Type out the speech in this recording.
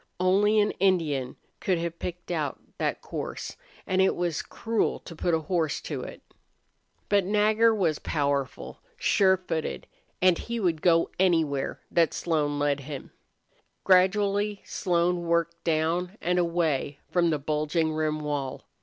Only an Indian could have picked out that course, and it was cruel to put a horse to it. But Nagger was powerful, sure footed, and he would go anywhere that Slone led him. Gradually Slone worked down and away from the bulging rim wall.